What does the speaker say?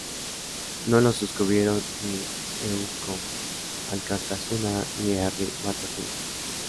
No lo suscribieron ni Eusko Alkartasuna ni Herri Batasuna.